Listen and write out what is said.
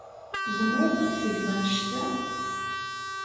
Tzemreḍ ad d-tgeḍ anect-a?